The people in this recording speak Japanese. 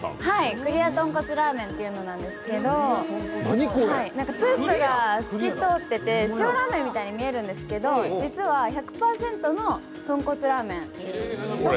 クリア豚骨ラーメンっていうんですけど透き通ってて、塩ラーメンみたいに見えるんですけど実は１００％豚骨ラーメン。